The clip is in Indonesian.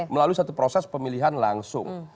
melalui satu proses pemilihan langsung